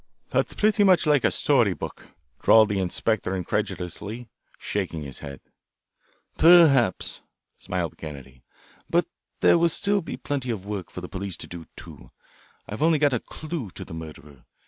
"That's pretty much like a story book," drawled the inspector incredulously, shaking his head. "Perhaps," smiled Kennedy. "But there will still be plenty of work for the police to do, too. I've only got a clue to the murderer.